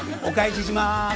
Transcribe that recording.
お返しします。